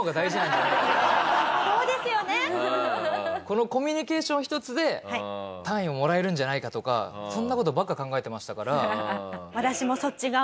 このコミュニケーション１つで単位をもらえるんじゃないかとかそんな事ばっか考えてましたから。